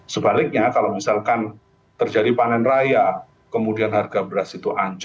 sebaliknya kalau misalkan terjadi panen raya kemudian harga beras itu